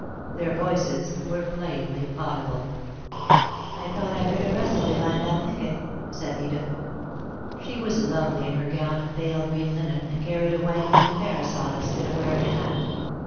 Their voices were plainly audible. [Sidenote: A Picnic] "I thought I heard a rustle behind that thicket," said Edith. She was lovely in her gown of pale green linen, and carried a white linen parasol instead of wearing a hat.